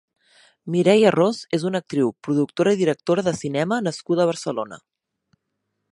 Mireia Ros és una actriu, productora i directora de cinema nascuda a Barcelona.